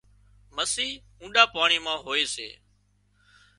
مسي اونڏا پاڻي مان هوئي سي